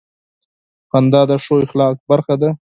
• خندا د ښو اخلاقو برخه ده.